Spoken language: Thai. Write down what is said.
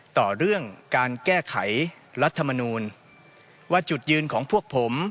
ต่อเรื่องการแก้ไขรัฐมนูลว่าจุดยืนของพวกผม